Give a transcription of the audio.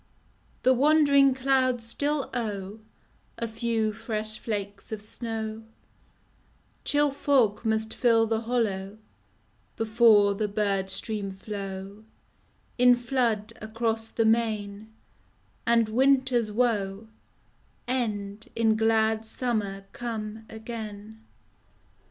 The wandering clouds still owe A few fresh flakes of snow, Chill fog must fill the hollow. 1 68 FROM QUEENS' GARDENS. Before the bird stream flow In flood across the main And winter's woe End in glad summer come again.